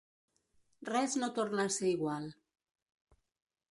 Res no torna a ser igual.